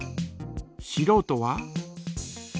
しろうとは？